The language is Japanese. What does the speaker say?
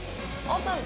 オープン！